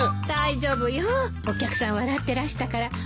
大丈夫よお客さん笑ってらしたから。